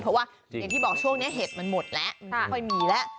เพราะว่าเห็นที่บอกช่วงนี้เห็ดมันหมดแล้วค่อยมีแล้ว